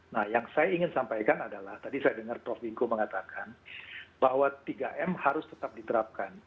nah yang saya ingin sampaikan adalah tadi saya dengar prof wiku mengatakan bahwa tiga m harus tetap diterapkan